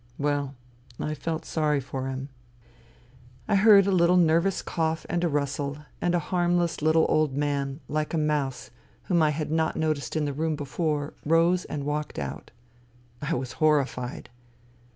Well, I felt sorry for him. ... I heard a little nervous cough and a rustle, and a harmless little old man, like a mouse, whom I had not noticed in the room before, rose and walked out. I was horrified.